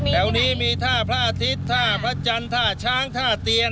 แถวนี้มีท่าพระอาทิตย์ท่าพระจันทร์ท่าช้างท่าเตียน